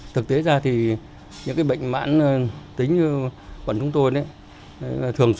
thì tôi thấy là người dân được lọ